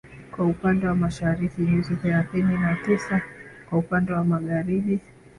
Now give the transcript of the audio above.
kwa upande wa Mashariki na nyuzi thelathini na tisa kwa upande wa Magharibi